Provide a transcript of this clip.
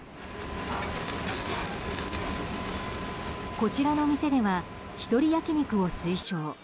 こちらの店では一人焼き肉を推奨。